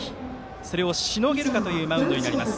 それをしのげるかというマウンドになります。